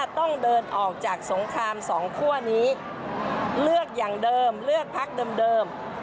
ต้องเดินออกจากสงคราม๒คั่วนี้เลือกอย่างเดิมเลือกพักเดิม